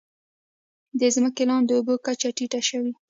د ځمکې لاندې اوبو کچه ټیټه شوې؟